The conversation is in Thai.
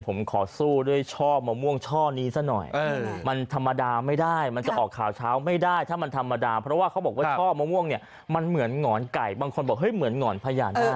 ผมขอสู้ด้วยช่อมะม่วงช่อนี้ซะหน่อยมันธรรมดาไม่ได้มันจะออกข่าวเช้าไม่ได้ถ้ามันธรรมดาเพราะว่าเขาบอกว่าช่อมะม่วงเนี่ยมันเหมือนหงอนไก่บางคนบอกเฮ้ยเหมือนหงอนพญานาค